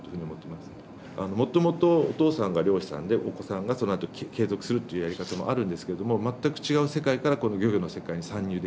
もともとお父さんが漁師さんでお子さんがそのあと継続するっていうやり方もあるんですけれども全く違う世界からこの漁業の世界に参入できる。